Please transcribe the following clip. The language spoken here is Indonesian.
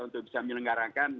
untuk bisa menyelenggarakan